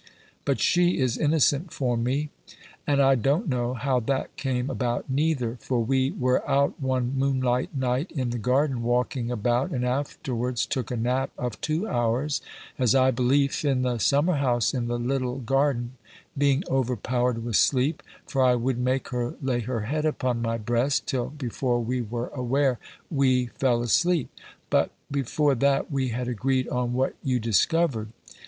"But she is innosente for me: and I don't knowe how thatt came about neither; for wee were oute one moonelighte nighte in the garden, walking aboute, and afterwards tooke a napp of two houres, as I beliefe, in the summer house in the littel gardin, being over powered with sleepe; for I woulde make her lay her head uppon my breste, till before we were awar, wee felle asleepe. Butt before thatt, wee had agreed on whatt you discovered.